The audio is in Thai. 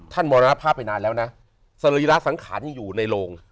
มรณภาพไปนานแล้วนะสรีระสังขารยังอยู่ในโรง